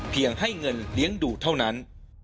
ให้เงินเลี้ยงดูเท่านั้น